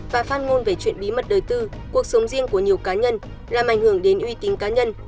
và phát ngôn về chuyện bí mật đời tư cuộc sống riêng của nhiều cá nhân làm ảnh hưởng đến uy tín cá nhân